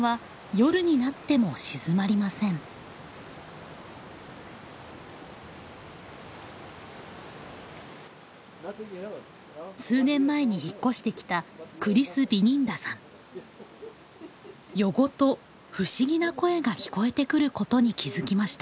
夜ごとふしぎな声が聞こえてくることに気付きました。